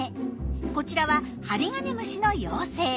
こちらはハリガネムシの幼生。